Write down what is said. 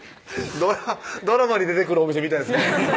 ドラマに出てくるお店みたいですね